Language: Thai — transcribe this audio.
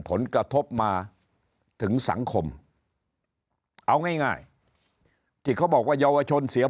ผลกระทบมาถึงสังคมเอาง่ายที่เขาบอกว่าเยาวชนเสีย